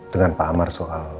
dengan pak amar soal